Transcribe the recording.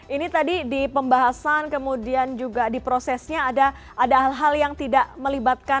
ini tadi di pembahasan kemudian juga di prosesnya ada hal hal yang tidak melibatkan